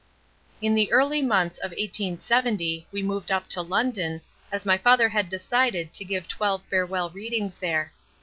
In the early months of 1870 we moved up to London, as my father had decided to give twelve farewell readings there.